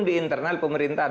di internal pemerintahan